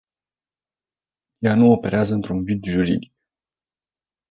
Ea nu operează într-un vid juridic.